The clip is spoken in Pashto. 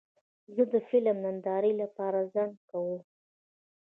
زه د فلم نندارې لپاره ځنډ کوم.